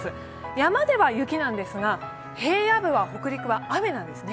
山では雪なんですが、平野部は北陸は雨なんですね。